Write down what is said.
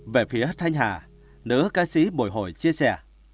về phía thanh hà nữ ca sĩ bùi hồi chia sẻ